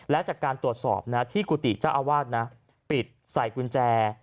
และจากการตรวจสอบที่กุฏิเจ้าอาวาสนะปิดใส่กุญแจ